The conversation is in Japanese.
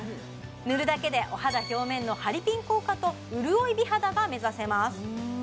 塗るだけでお肌表面のハリピン効果と潤い美肌が目指せます